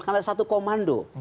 karena ada satu komando